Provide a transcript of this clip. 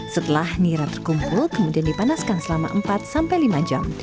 setelah nira terkumpul kemudian dipanaskan selama empat sampai lima jam